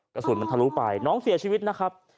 กระสุนมันทะลุไปน้องเสียชีวิตนะครับ